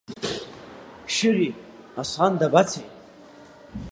Шьыри, Аслан дабацеи?